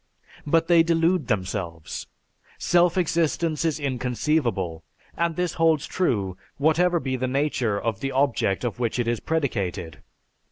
But they delude themselves. Self existence is inconceivable; and this holds true whatever be the nature of the object of which it is predicated.